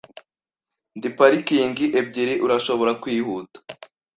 Ndi parikingi ebyiri. Urashobora kwihuta?